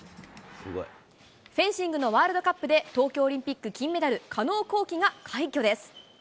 フェンシングのワールドカップで、東京オリンピック金メダル、加納虹輝が快挙です。